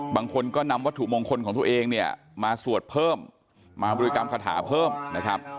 บางคนก็นำวัตถุมงคลของตัวเองเนี่ยมาสวดเพิ่มมาบริกรรมคาถาเพิ่มนะครับ